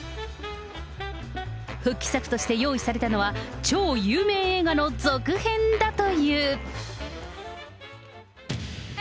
復帰作として用意されたのは、超有名映画の続編だという。